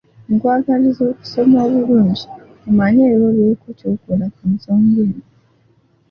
Nkwagaliza okusoma obulungi, omanye era obeeko ky’okola ku nsonga eno!